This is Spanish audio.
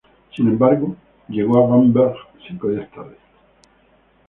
Sin embargo, llegó a Bamberg cinco días tarde.